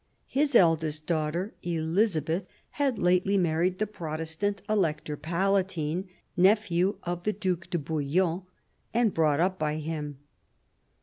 His eldest daughter, Elizabeth, had lately married the Protestant Elector Palatine, nephew of the Due de Bouillon and brought up by him.